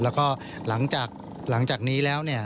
แล้วก็หลังจากนี้แล้วเนี่ย